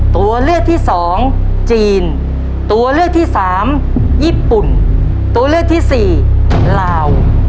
ตัวเลือกที่สองจีนตัวเลือกที่สามญี่ปุ่นตัวเลือกที่สี่ลาว